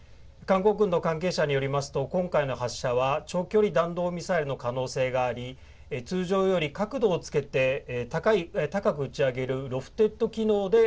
韓国軍の関係者によりますと今回の発射は長距離弾道ミサイルの可能性があり通常より角度をつけて高く打ち上げるロフテッド